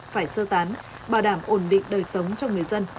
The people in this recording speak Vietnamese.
phải sơ tán bảo đảm ổn định đời sống cho người dân